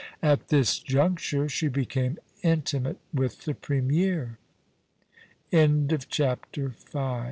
At this juncture she became intimate with the Premier. CHAPTER VI.